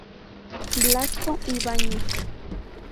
Blasco Ibañez.